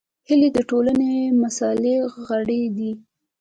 هیلۍ د ټولنې مثالي غړې ده